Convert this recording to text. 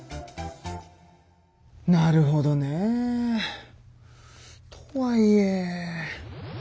なるほどね。とはいえ。